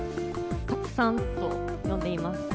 タツさんと呼んでいます。